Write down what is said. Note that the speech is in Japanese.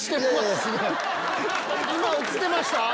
今映ってました？